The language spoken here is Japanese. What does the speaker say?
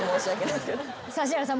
指原さん。